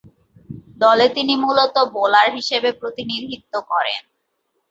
দলে তিনি মূলতঃ বোলার হিসেবে প্রতিনিধিত্ব করেন।